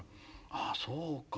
あそうか。